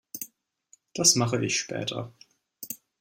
Das mache ich später.